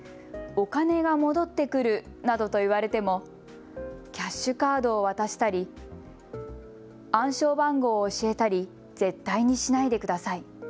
お金が戻ってくるなどと言われてもキャッシュカードを渡したり暗証番号を教えたり絶対にしないでください。